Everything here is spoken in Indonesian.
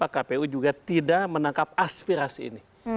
kpu juga tidak menangkap aspirasi ini